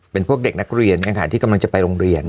เป็นพวกเด็กนักเรียนที่กำลังจะไปโรงเรียน